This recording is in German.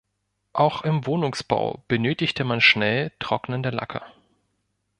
Auch im Wohnungsbau benötigte man schnell trocknende Lacke.